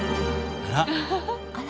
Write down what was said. あら！